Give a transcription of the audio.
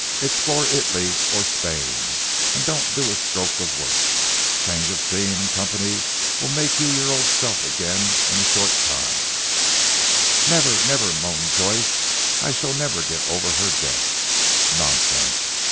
Explore Italy or Spain, and don't do a stroke of work. Change of scene and company will make you your old self again in a short time." "Never, never!" moaned Joyce. "I shall never get over her death." "Nonsense!